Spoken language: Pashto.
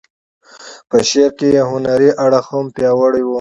په شعر کې یې هنري اړخ هم پیاوړی و.